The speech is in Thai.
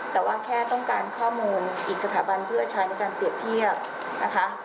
แต่ว่าแค่ต้องการข้อมูลอีกสถาบันเพื่อใช้ในการเปรียบเทียบนะคะ